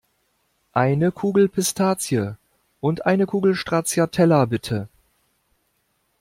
Eine Kugel Pistazie und eine Kugel Stracciatella, bitte!